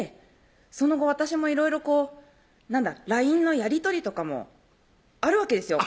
その後私もいろいろこうＬＩＮＥのやり取りとかもあるわけですよ